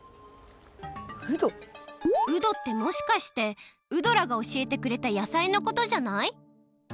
うどってもしかしてウドラがおしえてくれた野菜のことじゃない？